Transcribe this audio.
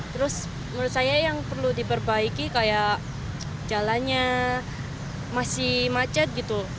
terus menurut saya yang perlu diperbaiki kayak jalannya masih macet gitu